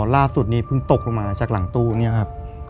ล่าสุดนี้เพิ่งตกลงมาจากหลังตู้เนี่ยครับ